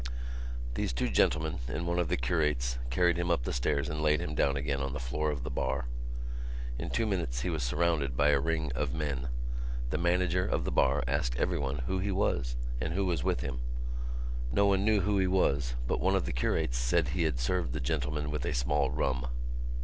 These two gentlemen and one of the curates carried him up the stairs and laid him down again on the floor of the bar. In two minutes he was surrounded by a ring of men. The manager of the bar asked everyone who he was and who was with him. No one knew who he was but one of the curates said he had served the gentleman with a small rum.